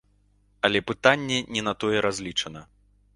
Але пытанне не на тое разлічана.